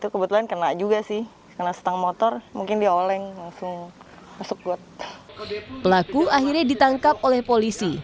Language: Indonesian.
pelaku akhirnya ditangkap oleh polisi